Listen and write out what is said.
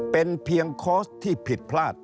เป็นเพียงคอร์สที่ผิดพลาด